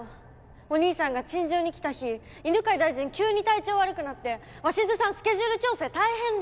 お兄さんが陳情に来た日犬飼大臣急に体調悪くなって鷲津さんスケジュール調整大変で。